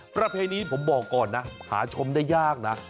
ประเพณีผมบอกก่อนนะหาชมได้ยากนะ